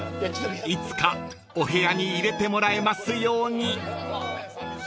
［いつかお部屋に入れてもらえますように］